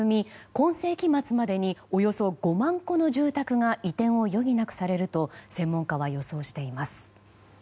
今世紀末までにおよそ５万戸の住宅が移転を余儀なくされると専門家は予想しています。